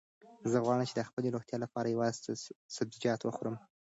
زه غواړم چې د خپلې روغتیا لپاره یوازې سبزیجات وخورم.